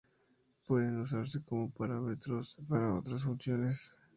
Pueden usarse como parámetros para otras funciones.